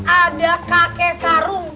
ada kakek sarung